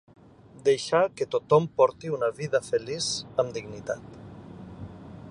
Deixar que tothom porti una vida feliç amb dignitat.